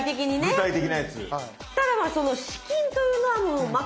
具体的なやつ。